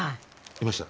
いました？